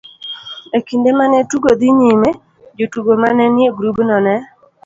e kinde ma ne tugo dhi nyime, jotugo ma ne ni e grubno ne